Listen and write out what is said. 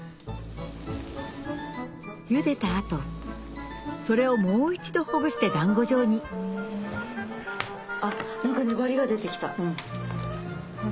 ゆでた後それをもう一度ほぐして団子状にあっ何か粘りが出てきた。